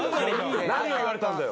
何を言われたんだよ。